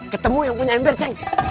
ketemu yang punya ember sih